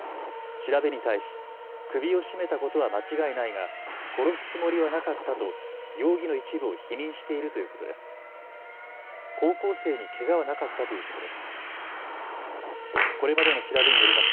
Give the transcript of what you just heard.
調べに対し首を絞めたことは間違いないが殺すつもりはなかったと容疑の一部を否認しているということです。